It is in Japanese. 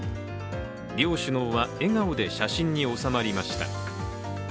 両首脳は笑顔で写真に収まりました。